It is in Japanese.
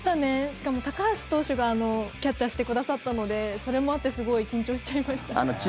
しかも、高橋投手がキャッチャーしてくださったのでそれもあってすごい緊張しちゃいました。